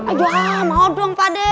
aduh mau dong pak de